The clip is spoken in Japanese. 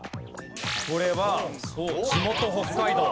これは地元北海道。